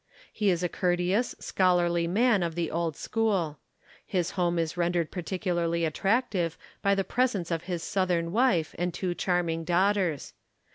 He is a courteous, scholarly man of the old school. His home is rendered particularly attractive by the presence of his southern wife and two charming daughters.